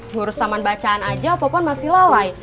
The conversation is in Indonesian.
ngurus taman bacaan aja apapun masih lalai